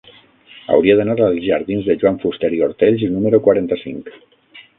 Hauria d'anar als jardins de Joan Fuster i Ortells número quaranta-cinc.